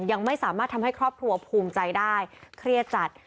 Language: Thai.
ยังไม่สามารถทำให้ครอบครัวภูมิใจได้เครียดจัด